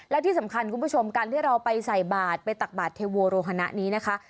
และที่สำคัญคุณผู้ชมการที่เราไปใส่บาทไปตักบาทเทโวโรฮนะนี้นะคะ